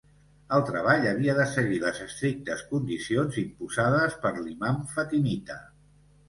El treball havia de seguir les estrictes condicions imposades per l'Imam fatimita.